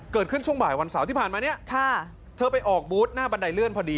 ช่วงบ่ายวันเสาร์ที่ผ่านมาเนี่ยเธอไปออกบูธหน้าบันไดเลื่อนพอดี